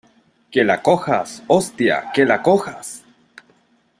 ¡ que la cojas! ¡ hostia, que la cojas !